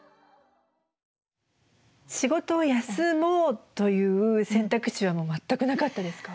仕事を休もうという選択肢はもう全くなかったですか？